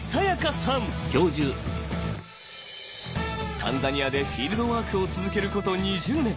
タンザニアでフィールドワークを続けること２０年。